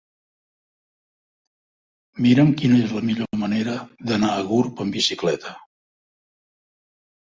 Mira'm quina és la millor manera d'anar a Gurb amb bicicleta.